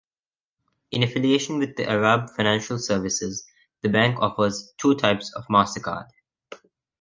In affiliation with the Arab Financial Services, the bank offers two types of MasterCard.